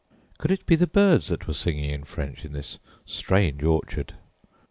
Could it be the birds that were singing in French in this strange orchard?